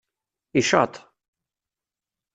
Icaṭ!